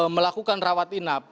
melakukan rawat inap